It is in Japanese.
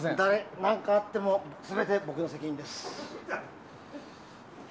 何かあっても全て僕の責任です。